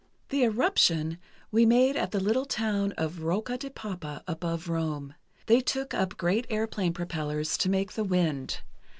The "eruption," we made at the little town of Rocca di Papa, above Rome. They took up great airplane propellers to make the wind.